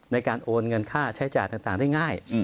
ในการโอนเงินค่าใช้จ่ายต่างได้ง่าย